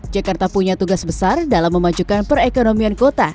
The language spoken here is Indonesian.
jakarta punya tugas besar dalam memajukan perekonomian kota